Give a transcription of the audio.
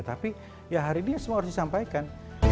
tapi ya hari ini semua harus disampaikan